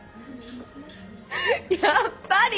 やっぱり！